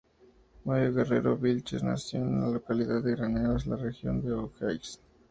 Mario Guerrero Vilches nació en la localidad de Graneros, en la Región de O'Higgins.